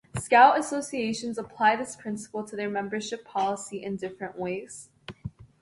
Scout associations apply this principle to their membership policy in different ways.